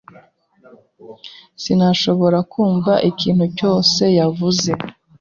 Sinashoboraga kumva ikintu cyose yavuze.